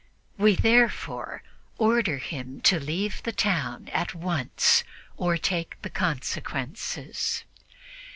We therefore order him to leave the town at once or take the consequences."